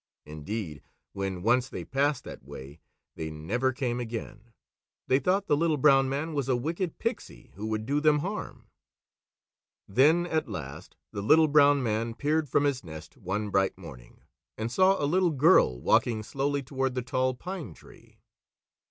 Indeed, when once they passed that way, they never came again. They thought the Little Brown Man was a wicked pixie who would do them harm. Then at last the Little Brown Man peered from his nest one bright morning and saw a little girl walking slowly toward the Tall Pine Tree.